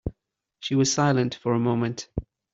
She was silent for a moment.